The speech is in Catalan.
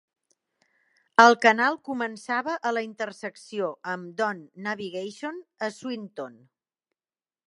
El canal començava a la intersecció amb Don Navigation a Swinton.